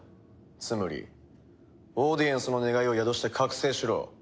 ツムリオーディエンスの願いを宿して覚醒しろ。